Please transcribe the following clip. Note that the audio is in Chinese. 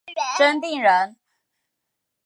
真定人。